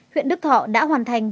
huyện đức thọ đã hoàn thành